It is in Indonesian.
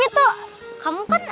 bantuin dong bantuin